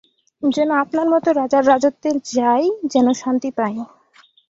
যেন আপনার মতো রাজার রাজত্বে যাই, যেন শান্তি পাই।